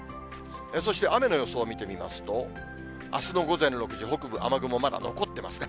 そして雨の予想を見てみますと、あすの午前６時、北部雨雲まだ残ってますね。